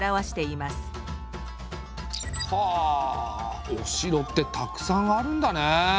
はあお城ってたくさんあるんだね。